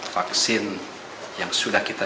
vaksin yang sudah kita